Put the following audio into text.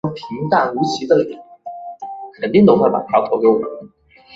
并且正式取消氟派瑞于茶的留容许量。